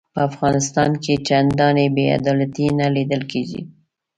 په افغانستان کې چنداني بې عدالتي نه لیده کیږي.